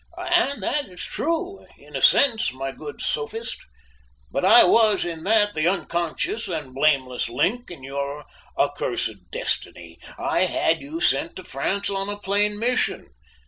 "And that is true, in a sense, my good sophist. But I was, in that, the unconscious and blameless link in your accursed destiny. I had you sent to France on a plain mission.